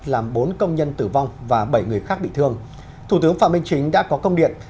làm bốn công nhân tử vong và bảy người khác bị thương thủ tướng phạm minh chính đã có công điện